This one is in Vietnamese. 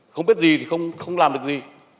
không biết gì thì không làm được gì